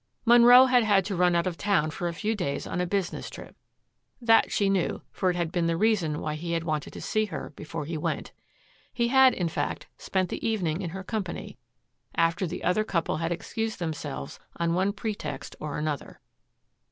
Munro had had to run out of town for a few days on a business trip. That she knew, for it had been the reason why he had wanted to see her before he went. He had, in fact, spent the evening in her company, after the other couple had excused themselves on one pretext or another.